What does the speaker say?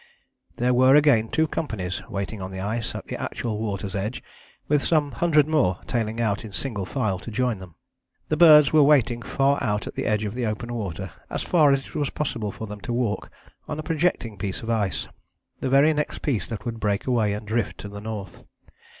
There were again two companies waiting on the ice at the actual water's edge, with some hundred more tailing out in single file to join them. The birds were waiting far out at the edge of the open water, as far as it was possible for them to walk, on a projecting piece of ice, the very next piece that would break away and drift to the north.